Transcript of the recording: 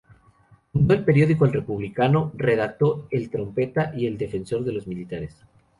Fundó el periódico "El Republicano", redactó "El Trompeta" y "El Defensor de los Militares".